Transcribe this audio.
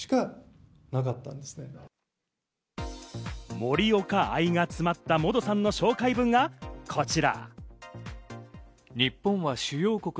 盛岡愛が詰まった、モドさんの紹介文がこちら。